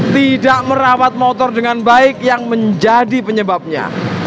tidak merawat motor dengan baik yang menjadi penyebabnya